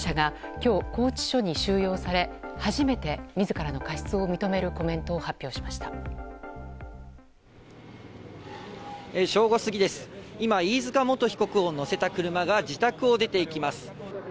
今、飯塚元被告を乗せた車が自宅を出ていきます。